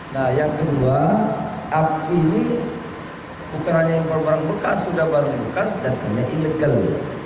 nah yang kedua api ini pukulannya impor barang bekas sudah barang bekas datangnya ilegal